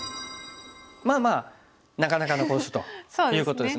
まあまあなかなかの好手ということですね。